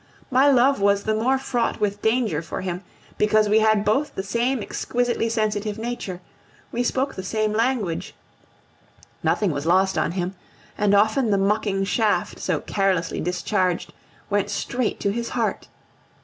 My love was the more fraught with danger for him because we had both the same exquisitely sensitive nature, we spoke the same language, nothing was lost on him, and often the mocking shaft, so carelessly discharged, went straight to his heart.